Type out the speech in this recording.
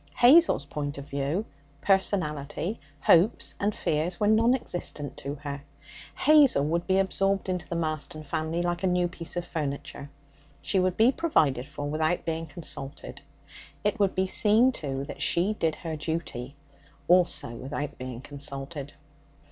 Hazel's point of view, personality, hopes and fears were non existent to her. Hazel would be absorbed into the Marston family like a new piece of furniture. She would be provided for without being consulted; it would be seen to that she did her duty, also without being consulted.